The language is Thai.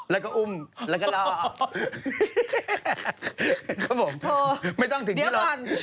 แล้วก็อุ้มแล้วก็ล่อออกครับผมไม่ต้องถึงที่หรอก